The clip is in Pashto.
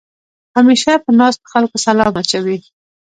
همېشه په ناستو خلکو سلام اچوې.